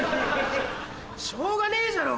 しょうがねえじゃろ！